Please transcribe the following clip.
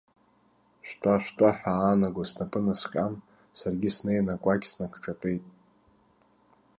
Шәтәа, шәтәа ҳәа аанаго снапы насҟьан, саргьы снеины акәакь сныкҿатәеит.